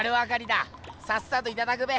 さっさといただくべ！